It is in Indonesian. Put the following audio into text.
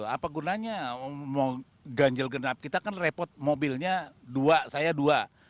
apa gunanya mau ganjil genap kita kan repot mobilnya dua saya dua